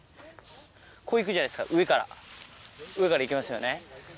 こういくじゃないですか、上から、上からいきますよね。